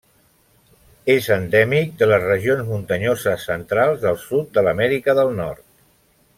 És endèmic de les regions muntanyoses centrals del sud de l'Amèrica del Nord.